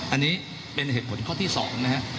อันนี้เป็นเหตุผลข้อที่สอง